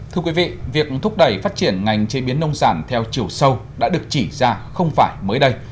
thưa quý vị việc thúc đẩy phát triển ngành chế biến nông sản theo chiều sâu đã được chỉ ra không phải mới đây